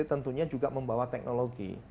tentunya juga membawa teknologi